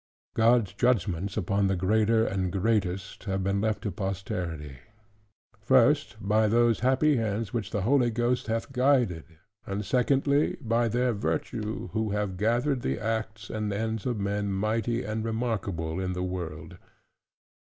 God's judgments upon the greater and greatest have been left to posterity; first, by those happy hands which the Holy Ghost hath guided; and secondly, by their virtue, who have gathered the acts and ends of men mighty and remarkable in the world.